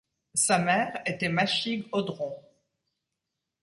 Sa mère était Machig Odron.